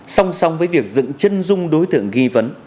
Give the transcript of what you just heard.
song song với việc dựng chân dung đối tượng ghi vấn